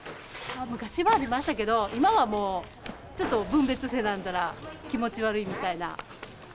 昔はありましたけど、今はもうちょっと分別せなんだら、気持ち悪いみたいな。